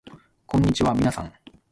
こんにちはみなさん